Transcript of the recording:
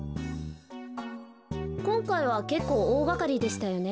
こんかいはけっこうおおがかりでしたよね。